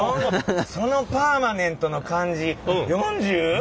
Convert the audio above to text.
そのパーマネントの感じ